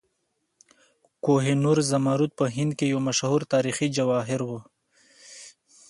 کوه نور زمرد په هند کې یو مشهور تاریخي جواهر و.